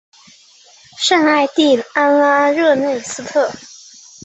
圣艾蒂安拉热内斯特。